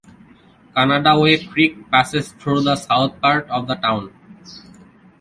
Canadaway Creek passes through the south part of the town.